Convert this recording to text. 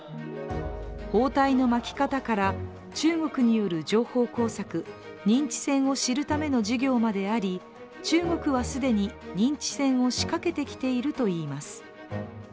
包帯の巻き方から、中国による情報工作認知戦を知るための授業まであり、中国は既に認知戦を仕掛けてきているといいます。